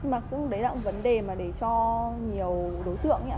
nhưng mà cũng đấy là một vấn đề để cho nhiều đối tượng